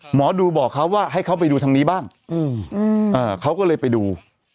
หมอดูบอกเขาว่าให้เขาไปดูทางนี้บ้างเขาก็เลยไปดู